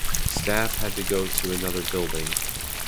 Staff had to go to another building.